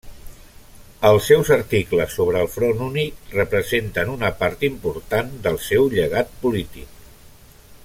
Els seus articles sobre el front únic representen una part important del seu llegat polític.